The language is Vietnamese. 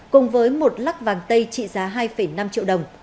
cùng với một lắc vàng tây trị giá hai năm triệu đồng